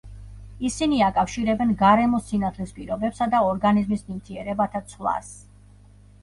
ისინი აკავშირებენ გარემოს სინათლის პირობებსა და ორგანიზმის ნივთიერებათა ცვლას.